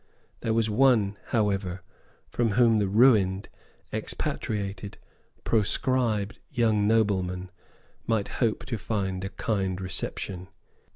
There was one, however, from whom the ruined, expatriated, proscribed young nobleman might hope to find a kind reception.